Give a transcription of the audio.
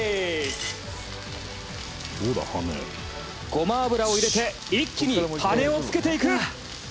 ごま油を入れて一気に羽根を付けていく！